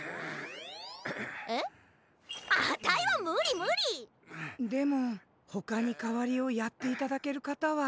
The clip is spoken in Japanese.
えっあたいはむりむり！でもほかにかわりをやっていただけるかたは。